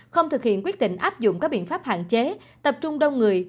không thực hiện quyết định áp dụng các biện pháp hạn chế tập trung đông người